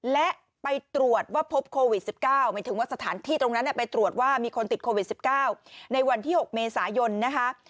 และไปตรวจว่าพบโควิด๑๙หมายถึงว่าสถานที่ตรงนั้นไปตรวจว่ามีคนติดโควิด๑๙ในวันที่๖เมษายนนะคะ